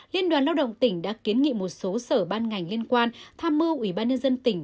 liên đoàn lao động tỉnh đã kiến nghị một số sở ban ngành liên quan tham mưu ủy ban nhân dân tỉnh